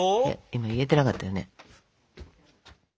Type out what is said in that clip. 今言えてなかったよね。